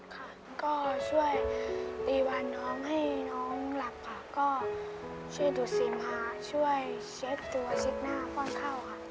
ค่ะก็ช่วยตีวันน้องให้น้องหลับค่ะก็ช่วยดูดซิมค่ะช่วยเช็ดตัวเช็ดหน้าป้อนเข้าค่ะ